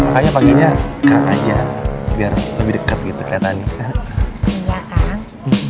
kayaknya paginya kang aja biar lebih deket gitu kayaknya kang